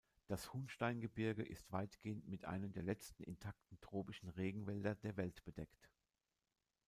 Das Hunstein-Gebirge ist weitgehend mit einem der letzten intakten tropischen Regenwälder der Welt bedeckt.